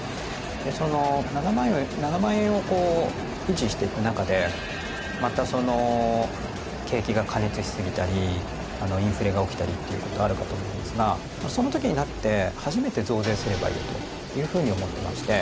でその７万円をこう維持していく中でまたその景気が過熱しすぎたりインフレが起きたりっていうことあるかと思うんですがその時になって初めて増税すればいいというふうに思ってまして。